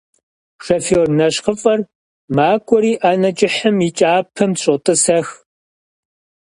Шофёр нэщхъыфӀэр макӀуэри ӏэнэ кӀыхьым и кӀапэм щотӀысэх.